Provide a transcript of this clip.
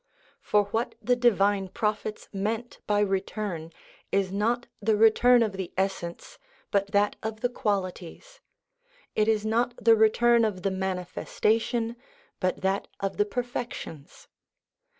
For what the divine Prophets meant by 'return' is not the return of the essence, but that of the qualities ; it is not the return of the Manifestation, but that of the perfections.